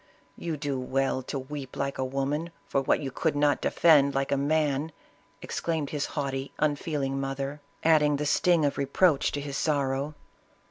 " You do well to weep like a woman for what you could not defend like a man," exclaimed his haughty, unfeeling mother, adding the sting of re proach to his sorrow.